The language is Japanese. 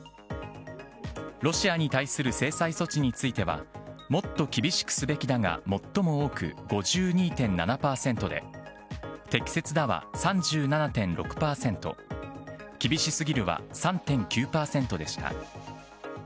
ロシアに対する制裁措置についてはもっと厳しくすべきだが最も多く５２．７％で、適切だは３７．６％、厳しすぎるは３．９％でした。